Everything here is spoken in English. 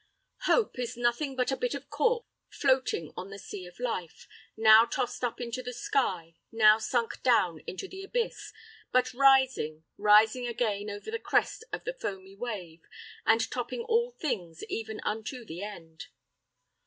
Hope is nothing but a bit of cork floating on the sea of life, now tossed up into the sky, now sunk down into the abyss, but rising, rising again over the crest of the foamy wave, and topping all things even unto the end.